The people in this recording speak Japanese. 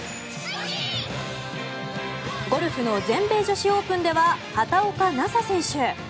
ゴルフの全米女子オープンでは畑岡奈紗選手。